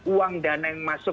uang dana yang masuk